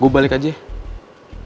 gue balik aja ya